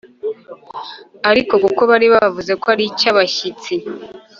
ariko kuko bari bavuze ko ari icy’abashyitsi,